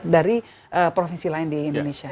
dari provinsi lain di indonesia